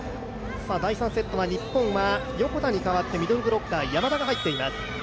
第３セット、日本は横田に代わってミドルブロッカー山田が入っています。